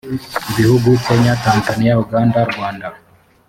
ibihugu kenya tanzania uganda rwanda